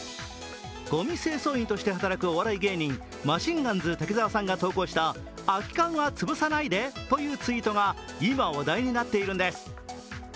ごみ清掃員として働くお笑い芸人・マシンガンズ滝沢さんが投稿した空き缶は潰さないでというツイートが今、話題になっているんです。